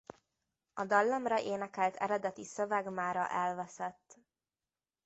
A dallamra énekelt eredeti szöveg mára elveszett.